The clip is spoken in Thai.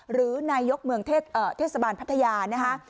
หรือนายกเมืองเทศบาลพัทยานะคะ